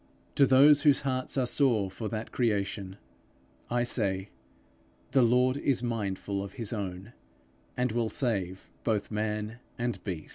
To those whose hearts are sore for that creation, I say, The Lord is mindful of his own, and will save both man and beast.